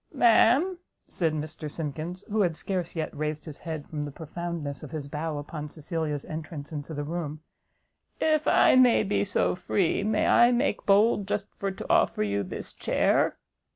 "Ma'am," said Mr Simkins, who had scarce yet raised his head from the profoundness of his bow upon Cecilia's entrance into the room, "if I may be so free, may I make bold just for to offer you this chair?"